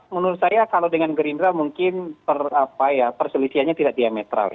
menurut saya kalau dengan gerindra mungkin perselisihannya tidak diametral